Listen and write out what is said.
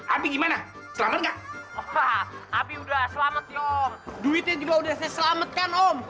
abis gimana selamat nggak abis udah selamat yuk duitnya juga udah selamatkan om